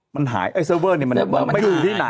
มันหายไอ้เซิร์เวอร์เนี่ยมันไม่อยู่ที่ไหน